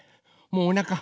もうおなか。